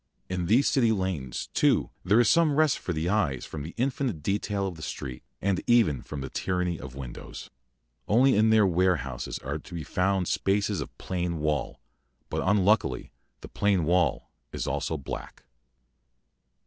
In these City lanes, too, there is some rest for the eyes from the infinite detail of the street, and even from the tyranny of windows. Only in their warehouses are to be found spaces of plain wall, but unluckily the plain wall is also black.